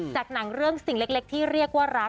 จากหนังเรื่องสิ่งเล็กที่เรียกว่ารัก